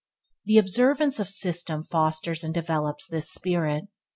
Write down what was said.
The observance of system fosters and develops this spirit.